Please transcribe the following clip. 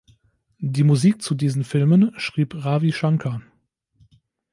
Die Musik zu diesen Filmen schrieb Ravi Shankar.